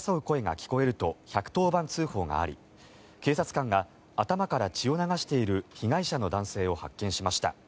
声が聞こえると１１０番通報があり警察官が頭から血を流している被害者の男性を発見しました。